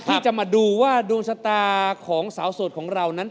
ที่จะมาดูว่าดวงชะตาของสาวโสดของเรานั้น